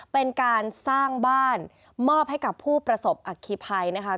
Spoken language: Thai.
เป็นการสร้างบ้านมอบให้กับผู้ประสบอัคคีภัยนะคะ